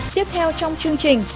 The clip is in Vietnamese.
tiếp theo trong chương trình